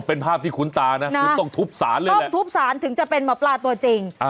เป็นภาพที่คุ้นตานะคือต้องทุบสารเลยแหละทุบสารถึงจะเป็นหมอปลาตัวจริง